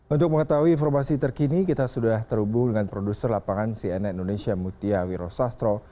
untuk mengetahui informasi terkini kita sudah terhubung dengan produser lapangan cnn indonesia mutia wiro sastro